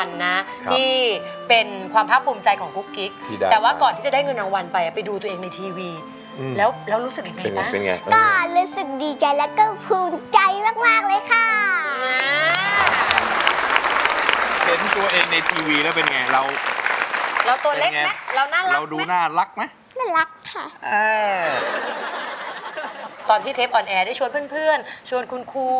ก็มันทำมาจากวัสดุเครื่องบินค่ะ